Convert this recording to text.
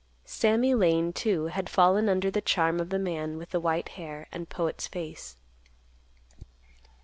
Sammy Lane, too, had fallen under the charm of the man with the white hair and poet's face.